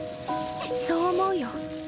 そう思うよ。